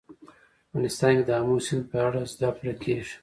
افغانستان کې د آمو سیند په اړه زده کړه کېږي.